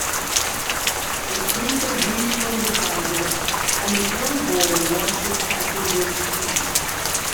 A preacher reads from the bible and a young boy washes passenger's feet.